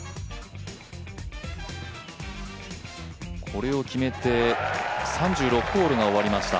これを決めて３６ホールが終わりました。